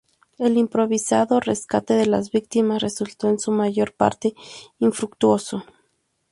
El improvisado rescate de las víctimas resultó en su mayor parte infructuoso.